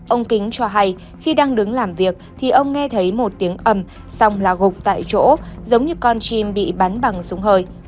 ông kính cho hay khi đang đứng làm việc thì ông nghe thấy một tiếng âm xong là gục tại chỗ giống như con chim bị bắn bằng súng hơi